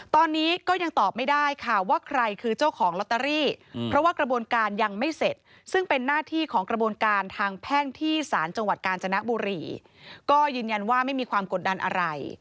ตอนนี้ก็ยังตอบไม่ได้ค่ะว่าใครคือเจ้าของลอตเตอรี่เพราะว่ากระบวนการยังไม่เสร็จซึ่งเป็นหน้าที่ของกระบวนการทางแพ่งที่ศาลจังหวัดกาญจนบุรีก็ยืนยันว่าไม่มีความกดดันอะไร